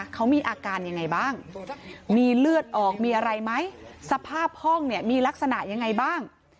เขามีอาการยังไงบ้างมีเลือดออกมีอะไรไหมสภาพห้องเนี่ยมีลักษณะยังไงบ้าง